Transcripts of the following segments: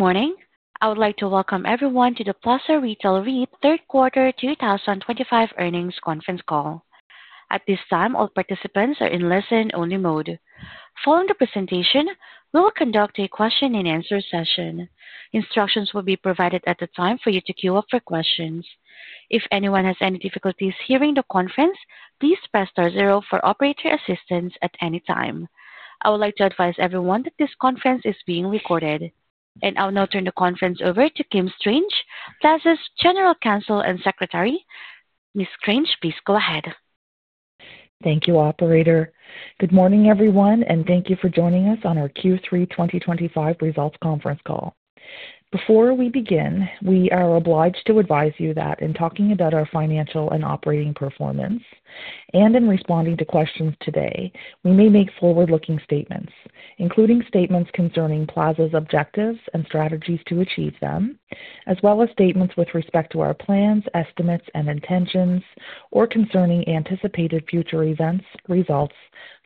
Good morning. I would like to welcome everyone to the Plaza Retail REIT third-quarter 2025 earnings conference call. At this time, all participants are in listen-only mode. Following the presentation, we will conduct a question-and-answer session. Instructions will be provided at the time for you to queue up for questions. If anyone has any difficulties hearing the conference, please press star zero for operator assistance at any time. I would like to advise everyone that this conference is being recorded. I will now turn the conference over to Kim Strange, Plaza's General Counsel and Secretary. Ms. Strange, please go ahead. Thank you, Operator. Good morning, everyone, and thank you for joining us on our Q3 2025 results conference call. Before we begin, we are obliged to advise you that in talking about our financial and operating performance and in responding to questions today, we may make forward-looking statements, including statements concerning Plaza's objectives and strategies to achieve them, as well as statements with respect to our plans, estimates, and intentions, or concerning anticipated future events, results,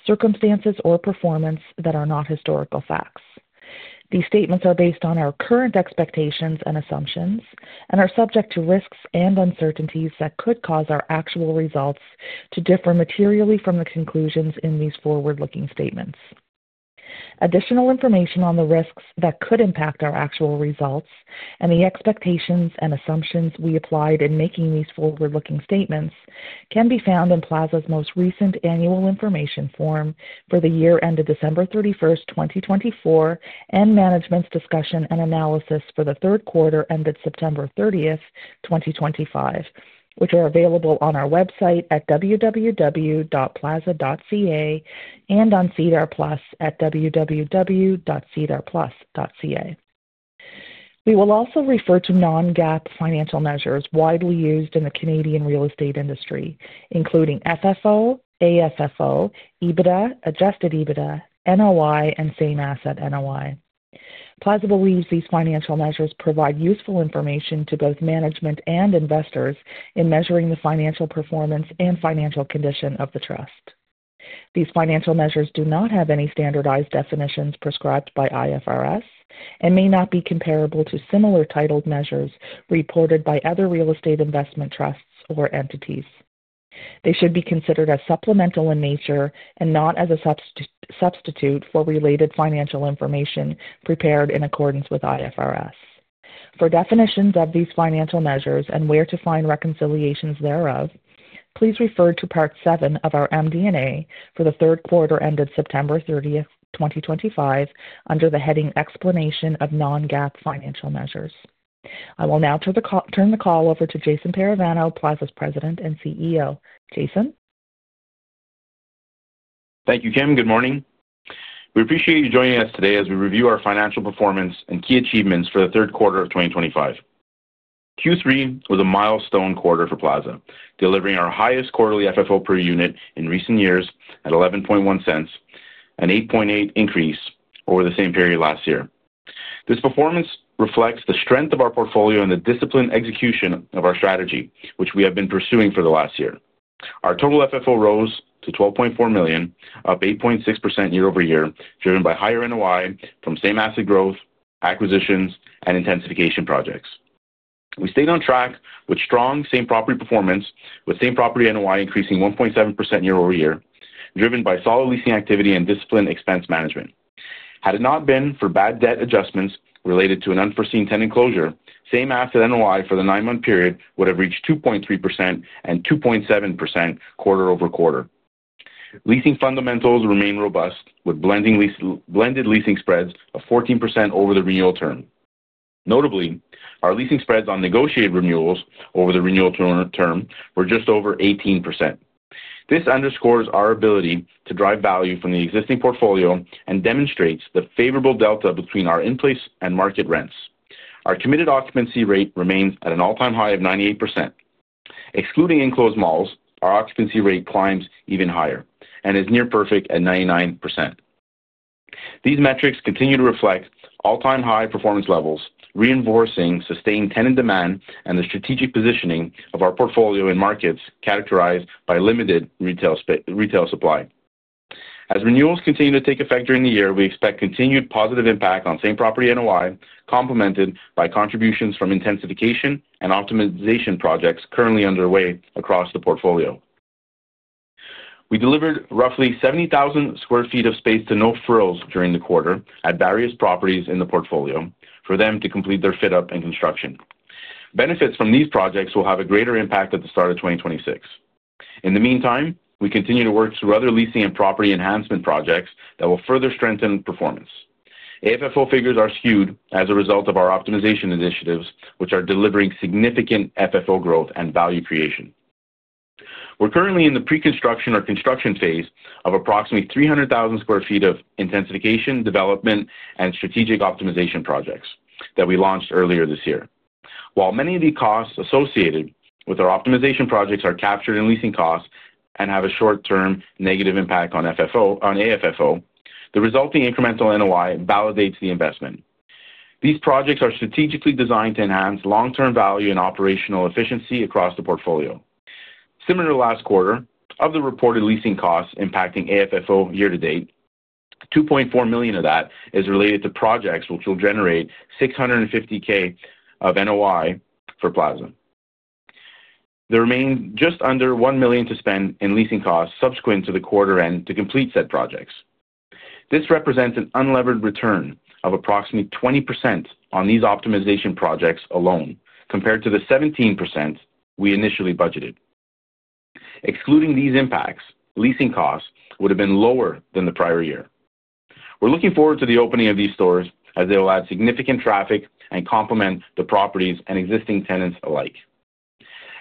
circumstances, or performance that are not historical facts. These statements are based on our current expectations and assumptions and are subject to risks and uncertainties that could cause our actual results to differ materially from the conclusions in these forward-looking statements. Additional information on the risks that could impact our actual results and the expectations and assumptions we applied in making these forward-looking statements can be found in Plaza's most recent annual information form for the year ended December 31, 2024, and management's discussion and analysis for the third quarter ended September 30, 2025, which are available on our website at www.plaza.ca and on CedarPlus at www.cedarplus.ca. We will also refer to non-GAAP financial measures widely used in the Canadian real estate industry, including FFO, AFFO, EBITDA, adjusted EBITDA, NOI, and same asset NOI. Plaza believes these financial measures provide useful information to both management and investors in measuring the financial performance and financial condition of the trust. These financial measures do not have any standardized definitions prescribed by IFRS and may not be comparable to similar-titled measures reported by other real estate investment trusts or entities. They should be considered as supplemental in nature and not as a substitute for related financial information prepared in accordance with IFRS. For definitions of these financial measures and where to find reconciliations thereof, please refer to Part 7 of our MD&A for the third quarter ended September 30, 2025, under the heading Explanation of Non-GAAP Financial Measures. I will now turn the call over to Jason Parravano, Plaza's President and CEO. Jason. Thank you, Kim. Good morning. We appreciate you joining us today as we review our financial performance and key achievements for the third quarter of 2025. Q3 was a milestone quarter for Plaza, delivering our highest quarterly FFO per unit in recent years at $0.111, an 8.8% increase over the same period last year. This performance reflects the strength of our portfolio and the disciplined execution of our strategy, which we have been pursuing for the last year. Our total FFO rose to $12.4 million, up 8.6% year-over-year, driven by higher NOI from same asset growth, acquisitions, and intensification projects. We stayed on track with strong same-property performance, with same-property NOI increasing 1.7% year-over-year, driven by solid leasing activity and disciplined expense management. Had it not been for bad debt adjustments related to an unforeseen tenant closure, same asset NOI for the nine-month period would have reached 2.3% and 2.7% quarter over quarter. Leasing fundamentals remain robust, with blended leasing spreads of 14% over the renewal term. Notably, our leasing spreads on negotiated renewals over the renewal term were just over 18%. This underscores our ability to drive value from the existing portfolio and demonstrates the favorable delta between our in-place and market rents. Our committed occupancy rate remains at an all-time high of 98%. Excluding enclosed malls, our occupancy rate climbs even higher and is near perfect at 99%. These metrics continue to reflect all-time high performance levels, reinforcing sustained tenant demand and the strategic positioning of our portfolio in markets characterized by limited retail supply. As renewals continue to take effect during the year, we expect continued positive impact on same property NOI, complemented by contributions from intensification and optimization projects currently underway across the portfolio. We delivered roughly 70,000 sq ft of space to No Frills during the quarter at various properties in the portfolio for them to complete their fit-up and construction. Benefits from these projects will have a greater impact at the start of 2026. In the meantime, we continue to work through other leasing and property enhancement projects that will further strengthen performance. AFFO figures are skewed as a result of our optimization initiatives, which are delivering significant FFO growth and value creation. We're currently in the pre-construction or construction phase of approximately 300,000 sq ft of intensification, development, and strategic optimization projects that we launched earlier this year. While many of the costs associated with our optimization projects are captured in leasing costs and have a short-term negative impact on AFFO, the resulting incremental NOI validates the investment. These projects are strategically designed to enhance long-term value and operational efficiency across the portfolio. Similar to last quarter, of the reported leasing costs impacting AFFO year to date, $2.4 million of that is related to projects which will generate $650,000 of NOI for Plaza. There remains just under $1 million to spend in leasing costs subsequent to the quarter end to complete said projects. This represents an unlevered return of approximately 20% on these optimization projects alone, compared to the 17% we initially budgeted. Excluding these impacts, leasing costs would have been lower than the prior year. We're looking forward to the opening of these stores as they will add significant traffic and complement the properties and existing tenants alike.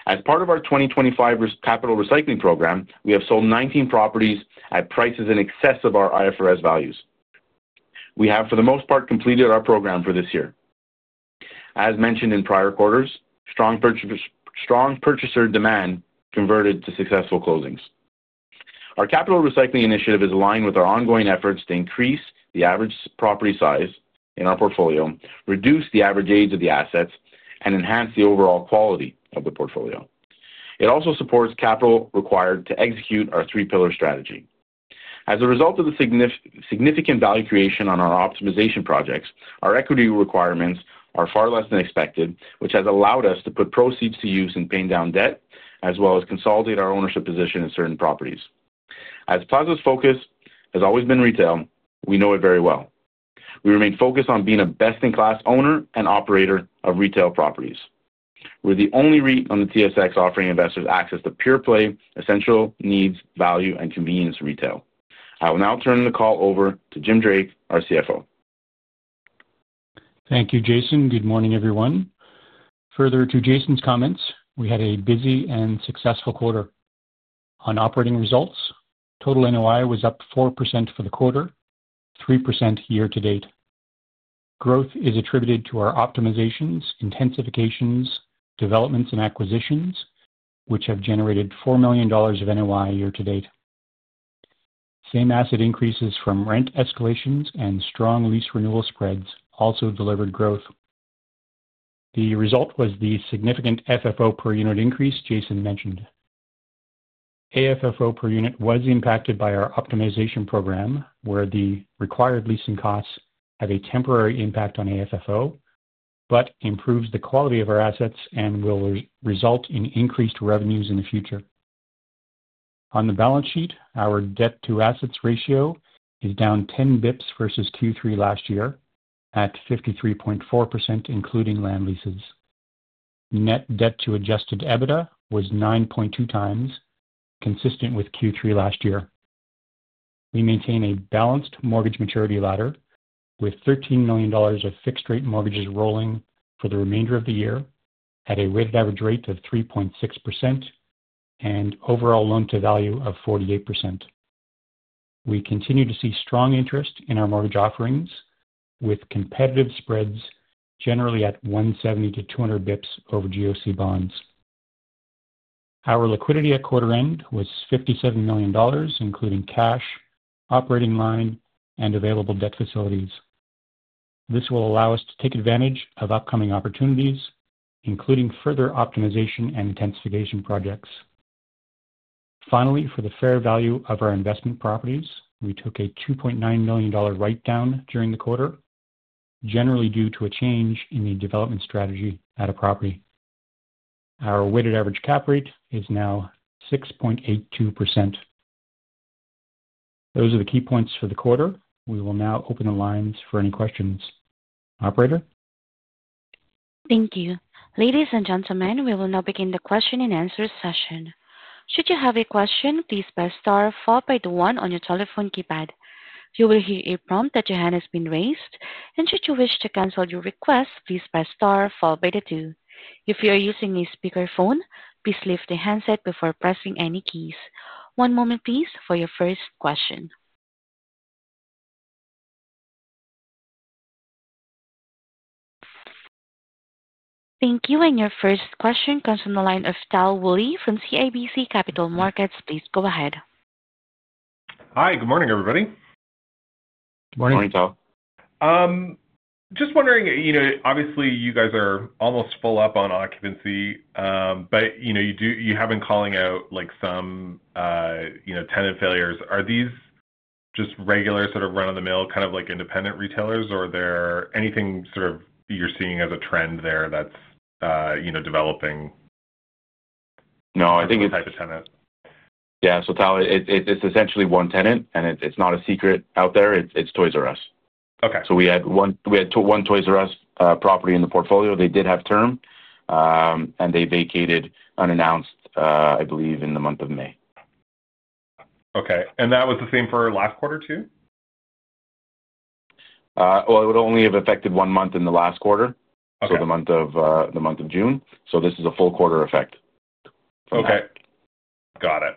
As part of our 2025 capital recycling program, we have sold 19 properties at prices in excess of our IFRS values. We have, for the most part, completed our program for this year. As mentioned in prior quarters, strong purchaser demand converted to successful closings. Our capital recycling initiative is aligned with our ongoing efforts to increase the average property size in our portfolio, reduce the average age of the assets, and enhance the overall quality of the portfolio. It also supports capital required to execute our three-pillar strategy. As a result of the significant value creation on our optimization projects, our equity requirements are far less than expected, which has allowed us to put proceeds to use and pay down debt, as well as consolidate our ownership position in certain properties. As Plaza's focus has always been retail, we know it very well. We remain focused on being a best-in-class owner and operator of retail properties. We're the only REIT on the TSX offering investors access to pure play, essential needs, value, and convenience retail. I will now turn the call over to Jim Drake, our CFO. Thank you, Jason. Good morning, everyone. Further to Jason's comments, we had a busy and successful quarter. On operating results, total NOI was up 4% for the quarter, 3% year to date. Growth is attributed to our optimizations, intensifications, developments, and acquisitions, which have generated $4 million of NOI year to date. Same asset increases from rent escalations and strong lease renewal spreads also delivered growth. The result was the significant FFO per unit increase Jason mentioned. AFFO per unit was impacted by our optimization program, where the required leasing costs have a temporary impact on AFFO but improves the quality of our assets and will result in increased revenues in the future. On the balance sheet, our debt-to-assets ratio is down 10 basis points versus Q3 last year at 53.4%, including land leases. Net debt-to-adjusted EBITDA was 9.2 times, consistent with Q3 last year. We maintain a balanced mortgage maturity ladder with $13 million of fixed-rate mortgages rolling for the remainder of the year at a weighted average rate of 3.6% and overall loan-to-value of 48%. We continue to see strong interest in our mortgage offerings, with competitive spreads generally at 170-200 basis points over GOC bonds. Our liquidity at quarter end was $57 million, including cash, operating line, and available debt facilities. This will allow us to take advantage of upcoming opportunities, including further optimization and intensification projects. Finally, for the fair value of our investment properties, we took a $2.9 million write-down during the quarter, generally due to a change in the development strategy at a property. Our weighted average cap rate is now 6.82%. Those are the key points for the quarter. We will now open the lines for any questions. Operator? Thank you. Ladies and gentlemen, we will now begin the question-and-answer session. Should you have a question, please press star 4 followed by the 1 on your telephone keypad. You will hear a prompt that your hand has been raised. Should you wish to cancel your request, please press star 4 followed by the 2. If you are using a speakerphone, please lift the handset before pressing any keys. One moment, please, for your first question. Thank you. Your first question comes from the line of Tal Woolley from CIBC Capital Markets. Please go ahead. Hi. Good morning, everybody. Good morning. Morning, Tal. Just wondering, obviously, you guys are almost full up on occupancy, but you have been calling out some tenant failures. Are these just regular sort of run-of-the-mill kind of independent retailers, or is there anything sort of you're seeing as a trend there that's developing? No, I think it's— What type of tenant? Yeah. Tal, it's essentially one tenant, and it's not a secret out there. It's Toys “R” Us. We had one Toys “R” Us property in the portfolio. They did have term, and they vacated unannounced, I believe, in the month of May. Okay. That was the same for last quarter, too? It would only have affected one month in the last quarter, so the month of June. This is a full quarter effect. Okay. Got it.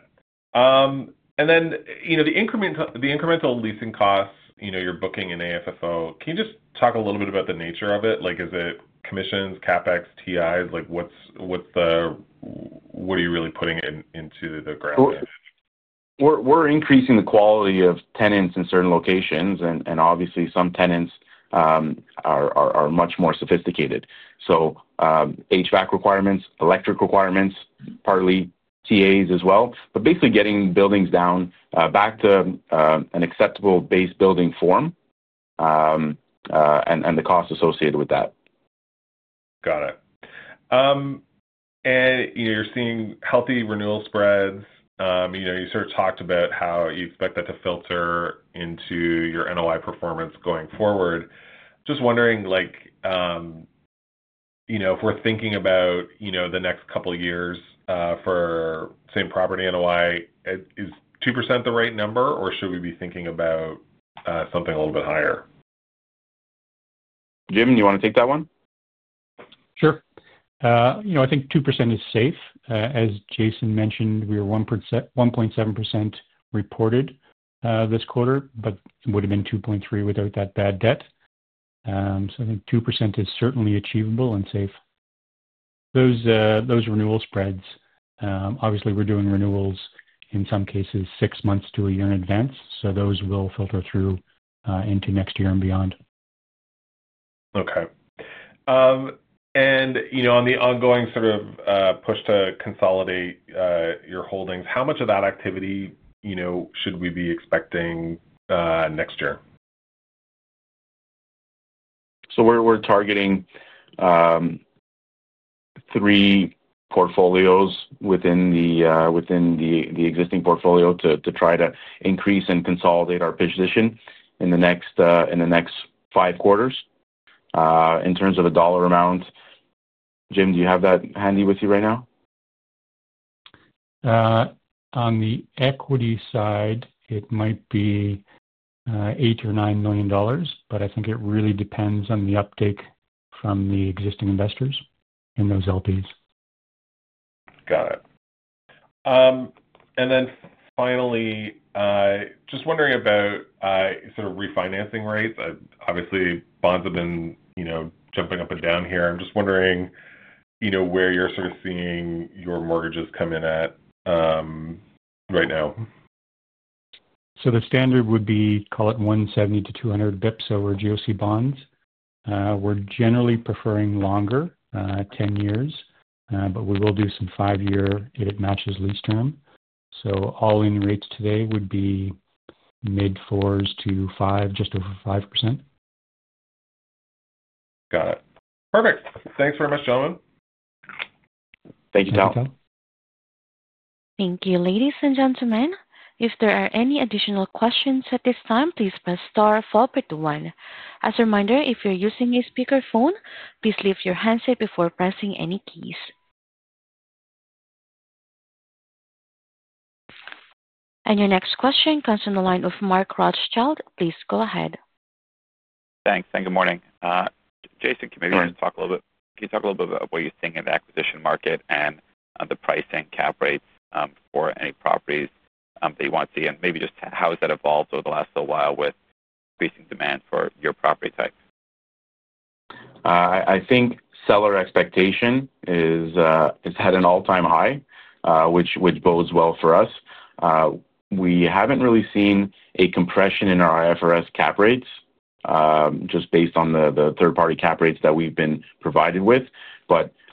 Then the incremental leasing costs you're booking in AFFO, can you just talk a little bit about the nature of it? Is it commissions, CapEx, TIs? What are you really putting into the ground there? We're increasing the quality of tenants in certain locations, and obviously, some tenants are much more sophisticated. So, HVAC requirements, electric requirements, partly TAs as well, but basically getting buildings down back to an acceptable base building form and the cost associated with that. Got it. You are seeing healthy renewal spreads. You sort of talked about how you expect that to filter into your NOI performance going forward. Just wondering, if we are thinking about the next couple of years for same property NOI, is 2% the right number, or should we be thinking about something a little bit higher? Jim, you want to take that one? Sure. I think 2% is safe. As Jason mentioned, we were 1.7% reported this quarter, but it would have been 2.3% without that bad debt. I think 2% is certainly achievable and safe. Those renewal spreads, obviously, we are doing renewals in some cases six months to a year in advance, so those will filter through into next year and beyond. Okay. On the ongoing sort of push to consolidate your holdings, how much of that activity should we be expecting next year? We're targeting three portfolios within the existing portfolio to try to increase and consolidate our position in the next five quarters in terms of a dollar amount. Jim, do you have that handy with you right now? On the equity side, it might be $8 million or $9 million, but I think it really depends on the uptake from the existing investors in those LPs. Got it. Finally, just wondering about sort of refinancing rates. Obviously, bonds have been jumping up and down here. I'm just wondering where you're sort of seeing your mortgages come in at right now. The standard would be, call it 170-200 basis points over GOC bonds. We're generally preferring longer, 10 years, but we will do some five-year if it matches lease term. All-in rates today would be mid-4% to 5%, just over 5%. Got it. Perfect. Thanks very much, gentlemen. Thank you, Tal. Thank you, Tal. Thank you. Ladies and gentlemen, if there are any additional questions at this time, please press star followed by the one. As a reminder, if you're using a speakerphone, please lift your handset before pressing any keys. Your next question comes from the line of Mark Rothschild. Please go ahead. Thanks. Good morning. Jason, can we just talk a little bit, can you talk a little bit about what you're seeing in the acquisition market and the pricing cap rates for any properties that you want to see? Maybe just how has that evolved over the last little while with increasing demand for your property type? I think seller expectation has had an all-time high, which bodes well for us. We haven't really seen a compression in our IFRS cap rates, just based on the third-party cap rates that we've been provided with.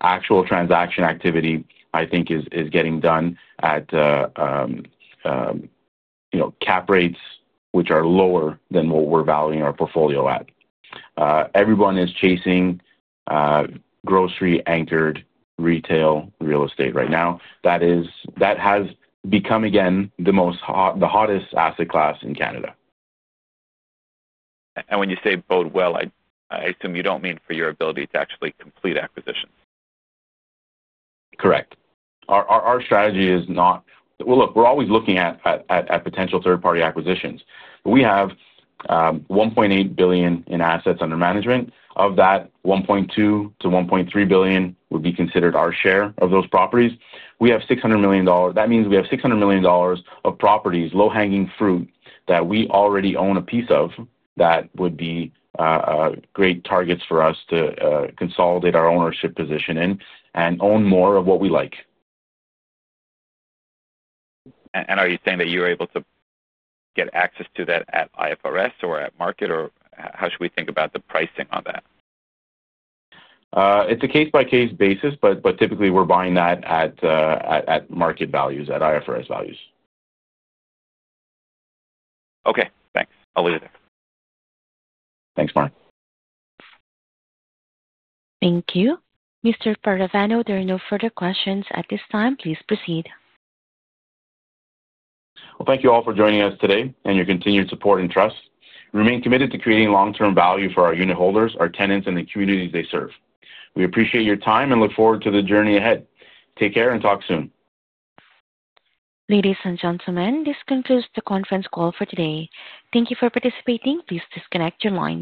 Actual transaction activity, I think, is getting done at cap rates which are lower than what we're valuing our portfolio at. Everyone is chasing grocery-anchored retail real estate right now. That has become, again, the hottest asset class in Canada. When you say bodes well, I assume you don't mean for your ability to actually complete acquisitions. Correct. Our strategy is not, well, look, we're always looking at potential third-party acquisitions. We have $1.8 billion in assets under management. Of that, $1.2 billion-$1.3 billion would be considered our share of those properties. We have $600 million. That means we have $600 million of properties, low-hanging fruit that we already own a piece of that would be great targets for us to consolidate our ownership position in and own more of what we like. Are you saying that you're able to get access to that at IFRS or at market, or how should we think about the pricing on that? It's a case-by-case basis, but typically, we're buying that at market values, at IFRS values. Okay. Thanks. I'll leave it there. Thanks, Mark. Thank you. Mr. Parravano, there are no further questions at this time. Please proceed. Thank you all for joining us today and your continued support and trust. We remain committed to creating long-term value for our unit holders, our tenants, and the communities they serve. We appreciate your time and look forward to the journey ahead. Take care and talk soon. Ladies and gentlemen, this concludes the conference call for today. Thank you for participating. Please disconnect your lines.